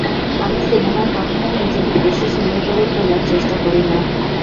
আমি সিনেমায় কখনোই নিজেকে বেশি সুন্দর করে তোলার চেষ্টা করি না।